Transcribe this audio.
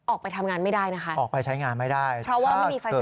ออกไปทำงานไม่ได้นะคะออกไปใช้งานไม่ได้เพราะว่าไม่มีไฟฟ้า